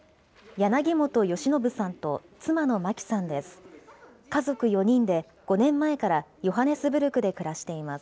柳本恵伸さんと、妻の真季さんです。